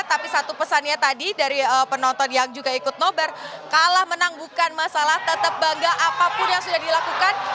tapi satu pesannya tadi dari penonton yang juga ikut nobar kalah menang bukan masalah tetap bangga apapun yang sudah dilakukan